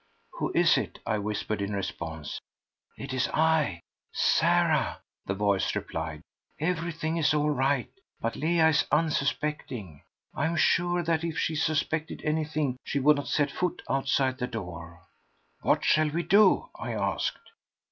"Who is it?" I whispered in response. "It is I—Sarah!" the voice replied. "Everything is all right, but Leah is unsuspecting. I am sure that if she suspected anything she would not set foot outside the door." "What shall we do?" I asked.